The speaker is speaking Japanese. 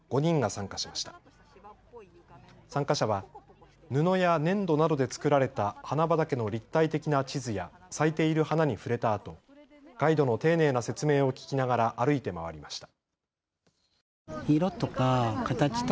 参加者は、布や粘土などで作られた花畑の立体的な地図や、咲いている花に触れたあと、ガイドの丁寧な説明を聞きながら歩いて回りました。